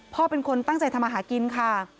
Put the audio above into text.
พ่อเป็นคนตั้งใจทำอาหารกินค่ะ